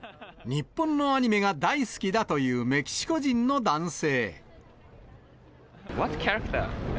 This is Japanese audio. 日本のアニメが大好きだというメキシコ人の男性。